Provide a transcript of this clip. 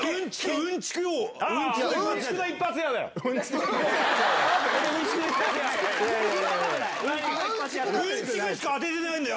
うんちくの一発屋だよ。